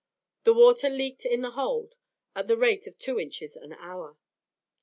The water leaked in the hold at the rate of two inches an hour.